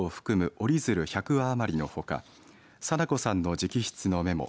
折り鶴１００羽余りのほか禎子さんの直筆のメモ